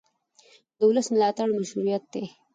د ولس ملاتړ مشروعیت دی